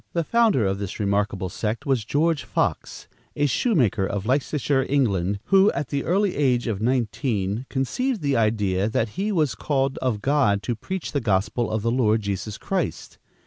The founder of this remarkable sect was George Fox, a shoemaker of Leicestershire, England, who, at the early age of nineteen, conceived the idea that he was called of God to preach the gospel of the Lord Jesus Christ.